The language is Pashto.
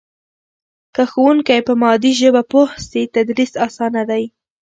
که ښوونکی په مادي ژبه پوه سي تدریس اسانه دی.